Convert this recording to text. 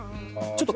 ちょっと。